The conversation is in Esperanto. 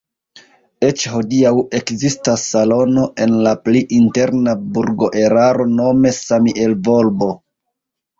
Eĉ hodiaŭ ekzistas salono en la pli interna burgoeraro nome "Samielvolbo".